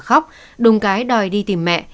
và khóc đùng cái đòi đi tìm mẹ